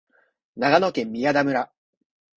長野県宮田村